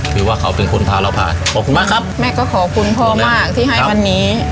คือว่าเขาเป็นคนพาเราผ่านขอบคุณมากครับแม่ก็ขอบคุณพ่อมากที่ให้วันนี้